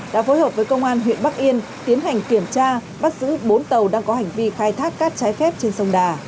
đã phối hợp với công an huyện bắc yên tiến hành kiểm tra bắt giữ bốn tàu đang có hành vi khai thác cát trái phép trên sông đà